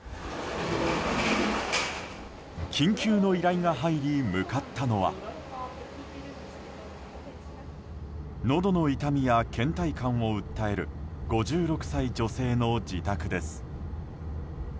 緊急の依頼が入り、向かったのはのどの痛みや倦怠感を訴える５６歳女性の自宅です。